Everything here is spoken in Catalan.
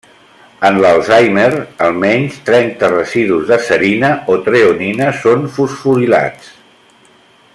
En l'Alzheimer, almenys trenta residus de serina o treonina són fosforilats.